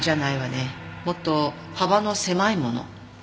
もっと幅の狭いもの。